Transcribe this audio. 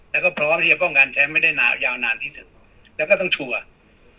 แล้วก็พร้อมที่จะป้องกันแชมป์ไม่ได้ยาวนานที่สุดแล้วก็ต้องชัวร์